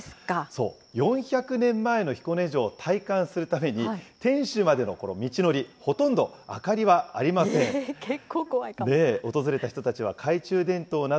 そう、４００年前の彦根城を体感するために、天守までのこの道のり、ほ結構怖いかも。